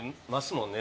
もんね